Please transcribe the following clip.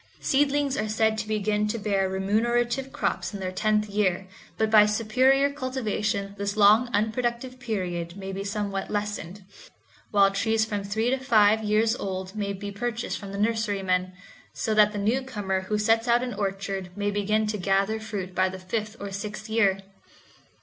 Seedlings are said to begin to bear remunerative crops in their tenth year, but by superior cultivation this long unproductive period my be somewhat lessened, while trees from three to five years old may be purchased from the nurserymen, so that the newcomer who sets out an orchard may begin to gather fruit by the fifth or sixth year.